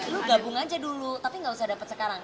lu gabung aja dulu tapi gak usah dapat sekarang